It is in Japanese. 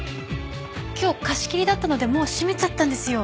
今日貸し切りだったのでもう閉めちゃったんですよ。